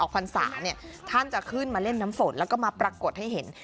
พรรษาเนี่ยท่านจะขึ้นมาเล่นน้ำฝนแล้วก็มาปรากฏให้เห็น